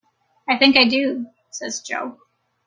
"I think I do," says Jo.